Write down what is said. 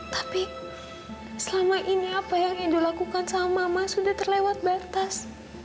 tapi selama ini apa yang dilakukan sama mama sudah terlewat batas